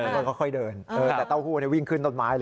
แล้วก็ค่อยเดินแต่เต้าหู้วิ่งขึ้นต้นไม้เลย